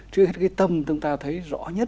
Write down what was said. trước hết cái tâm chúng ta thấy rõ nhất